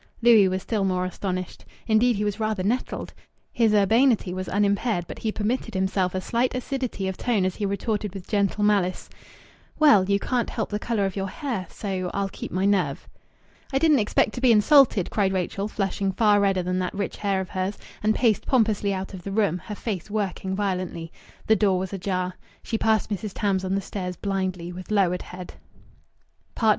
Louis was still more astonished. Indeed, he was rather nettled. His urbanity was unimpaired, but he permitted himself a slight acidity of tone as he retorted with gentle malice "Well, you can't help the colour of your hair. So I'll keep my nerve." "I didn't expect to be insulted!" cried Rachel, flushing far redder than that rich hair of hers, and paced pompously out of the room, her face working violently. The door was ajar. She passed Mrs. Tams on the stairs, blindly, with lowered head.